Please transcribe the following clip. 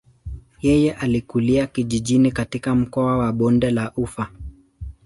Yeye alikulia kijijini katika mkoa wa bonde la ufa.